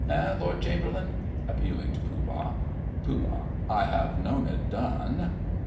Eh, Lord Chamberlain? (Appealing to Pooh Bah.) POOH. I have known it done.